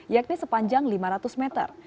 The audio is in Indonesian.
yakni sepanjang lima ratus meter